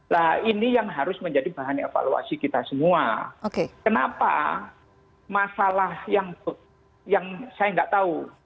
nah ini yang harus menjadi bahan evaluasi kita semua kenapa masalah yang saya nggak tahu